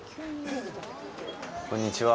こんにちは。